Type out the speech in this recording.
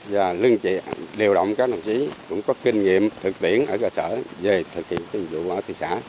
và lươn trị điều động các đồng chí cũng có kinh nghiệm thực tiễn ở cơ sở về thực hiện tình dụ ở thị xã